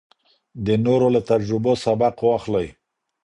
د نورو له تجربو سبق واخلئ.